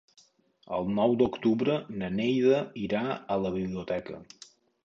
El nou d'octubre na Neida irà a la biblioteca.